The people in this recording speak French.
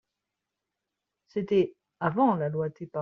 C’était avant la loi TEPA.